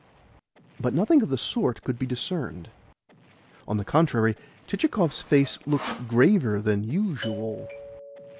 But nothing of the sort could be discerned. On the contrary, Chichikov's face looked graver than usual.